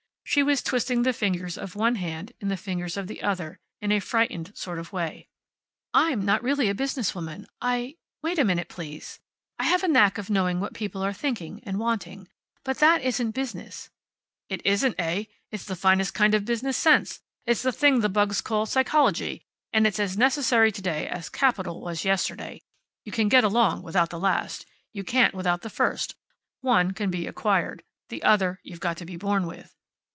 She was twisting the fingers of one hand in the fingers of the other, in a frightened sort of way. "I'm not really a business woman. I wait a minute, please I have a knack of knowing what people are thinking and wanting. But that isn't business." "It isn't, eh? It's the finest kind of business sense. It's the thing the bugs call psychology, and it's as necessary to day as capital was yesterday. You can get along without the last. You can't without the first. One can be acquired. The other you've got to be born with."